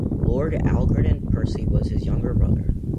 Lord Algernon Percy was his younger brother.